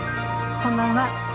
こんばんは。